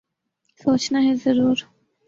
سوچنا ہے ضرور ۔